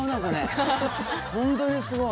ホントにすごい。